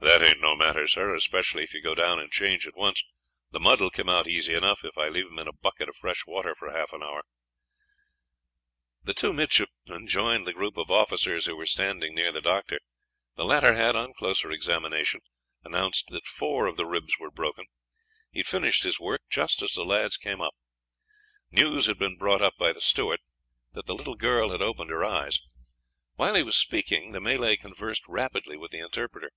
"That aint no matter, sir, especially if you go down and change at once; the mud will come out easy enough if I leave them in a bucket of fresh water for half an hour." The two midshipmen joined the group of officers who were standing near the doctor; the latter had, on closer examination, announced that four of the ribs were broken. He had finished his work just as the lads came up. News had been brought up by the steward that the little girl had opened her eyes; while he was speaking, the Malay conversed rapidly with the interpreter.